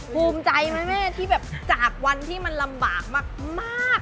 ภูมิใจไหมแม่ที่แบบจากวันที่มันลำบากมาก